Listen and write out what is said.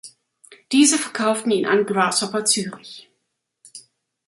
Diese verkauften ihn an Grasshopper Zürich.